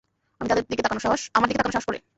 আমার দিকে তাকানোর সাহস করে!